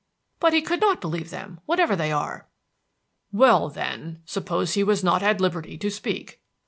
"But he could not believe them, whatever they are." "Well, then, suppose he was not at liberty to speak."